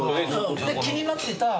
気になってた。